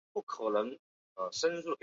元至元十三年改婺州路。